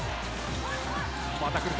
また来るか。